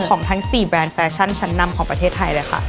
ทั้ง๔แบรนด์แฟชั่นชั้นนำของประเทศไทยเลยค่ะ